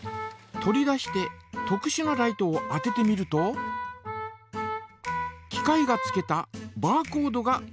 取り出して特しゅなライトを当ててみると機械がつけたバーコードがかくにんできます。